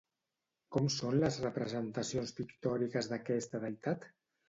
Com són les representacions pictòriques d'aquesta deïtat?